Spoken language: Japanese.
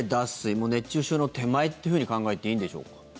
もう熱中症の手前というふうに考えていいんでしょうか？